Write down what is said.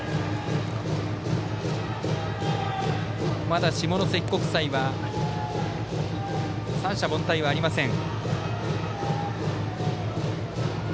まだ下関国際は三者凡退はありません。